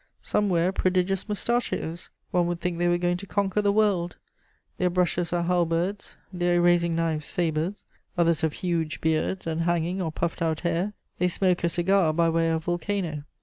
Some wear prodigious mustachioes: one would think they were going to conquer the world; their brushes are halberds, their erasing knives sabres: others have huge beards, and hanging or puffed out hair; they smoke a cigar by way of vulcano.